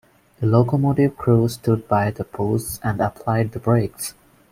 The locomotive crew stood by their posts and applied the brakes.